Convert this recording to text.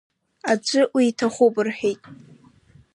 Аӡәы уиҭахуп рҳәеит.